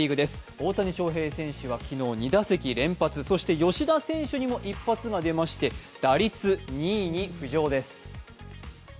大谷翔平選手は昨日、２打席連発、そして吉田選手にも一発が出まして打率２位に浮上です。